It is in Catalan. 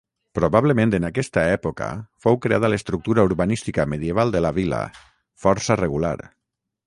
Probablement en aquesta època fou creada l'estructura urbanística medieval de la vila, força regular.